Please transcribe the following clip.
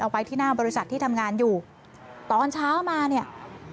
ไปที่หน้าบริษัทที่ทำงานอยู่ตอนเช้ามาเนี่ย